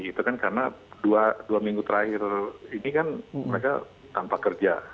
itu kan karena dua minggu terakhir ini kan mereka tanpa kerja